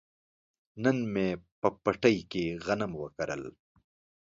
نن مې په پټي کې غنم وکرل.